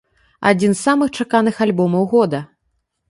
Адзін з самых чаканых альбомаў года.